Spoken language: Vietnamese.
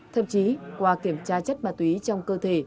thậm chí qua kiểm tra chất ma túy trong cơ thể